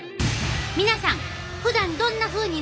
皆さんふだんどんなふうに塗ってんの？